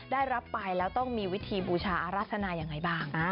ได้รับไปแล้วต้องมีวิธีบูชาอารสนายังไงบ้าง